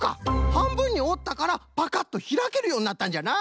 はんぶんにおったからパカッとひらけるようになったんじゃな。